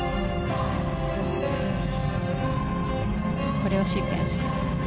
コレオシークエンス。